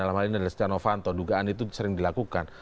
dalam hal ini adalah stjanovanto dugaan itu sering dilakukan